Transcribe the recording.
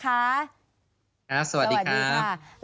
ครับสวัสดีครับสวัสดีค่ะสวัสดีค่ะ